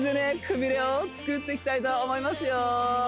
くびれを作っていきたいと思いますよ